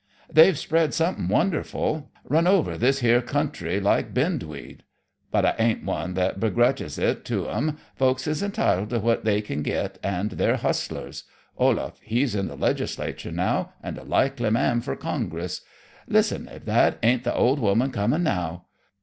They've spread something wonderful run over this here country like bindweed. But I ain't one that begretches it to 'em. Folks is entitled to what they kin git; and they're hustlers. Olaf, he's in the Legislature now, and a likely man fur Congress. Listen, if that ain't the old woman comin' now.